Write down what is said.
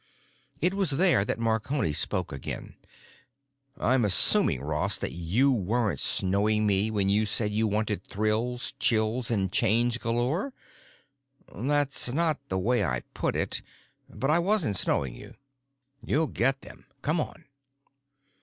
It was there that Marconi spoke again. "I'm assuming, Ross, that you weren't snowing me when you said you wanted thrills, chills, and change galore." "That's not the way I put it. But I wasn't snowing you." "You'll get them. Come on."